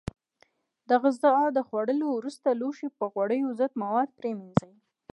د غذا خوړلو وروسته لوښي په غوړیو ضد موادو پرېمنځئ.